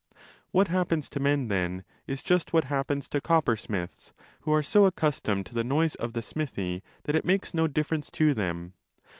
What happens to men, then, is just what happens to coppersmiths, who are so accustomed to the noise of the smithy that it 30 makes no difference to them.